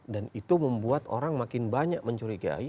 dan itu membuat orang makin banyak mencurigai